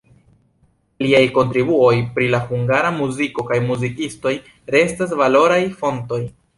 Liaj kontribuoj pri la hungara muziko kaj muzikistoj restas valoraj fontoj.